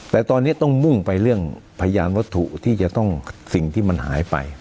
แต่ตอนนี้ต้องมุ่งไปเรื่องพยานวัตถุที่จะต้องสิ่งที่มันหายไป